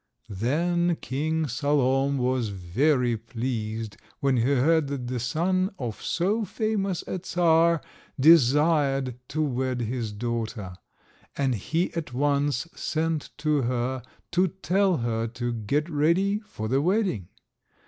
Then King Salom was very pleased when he heard that the son of so famous a Czar desired to wed his daughter, and he at once sent to her, to tell her to get ready for the wedding.